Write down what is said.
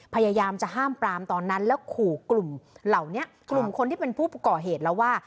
พยายามจะห้ามปรามตอนนั้นแล้วขู่กลุ่มเหล่านี้กลุ่มคนที่เป็นผู้ก่อเหตุแล้วว่า